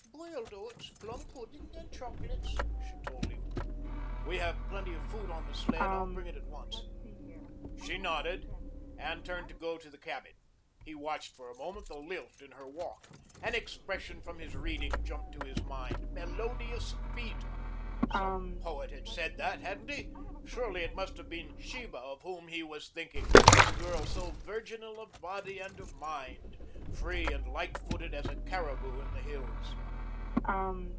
"Boiled oats, plum pudding, and chocolates," she told him. "We have plenty of food on the sled. I'll bring it at once." She nodded, and turned to go to the cabin. He watched for a moment the lilt in her walk. An expression from his reading jumped to his mind. Melodious feet! Some poet had said that, hadn't he? Surely it must have been Sheba of whom he was thinking, this girl so virginal of body and of mind, free and light footed as a caribou on the hills.